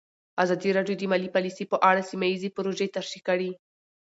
ازادي راډیو د مالي پالیسي په اړه سیمه ییزې پروژې تشریح کړې.